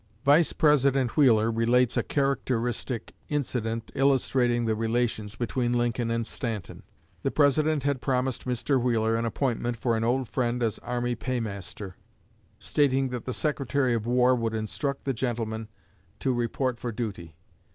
Vice President Wheeler relates a characteristic incident illustrating the relations between Lincoln and Stanton. The President had promised Mr. Wheeler an appointment for an old friend as army paymaster, stating that the Secretary of War would instruct the gentleman to report for duty.